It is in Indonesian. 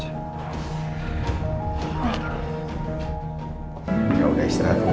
ya udah istirahat dulu